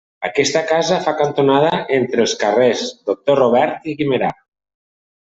Aquesta casa fa cantonada entre els carrers doctor Robert i Guimerà.